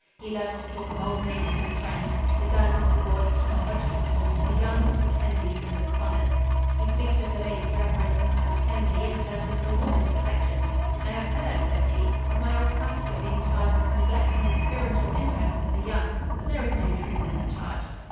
He loves to talk of old neighbors and friends—the Guns, the Gordons, the Hodgkinsons, the Youngs, the Kennedys and the Connors. He speaks of the late Rev. Mr. Mackenzie in terms of the warmest affection. "I have heard," said he, "of my old pastor being charged with neglecting the spiritual interests of the young; but there is no truth in the charge.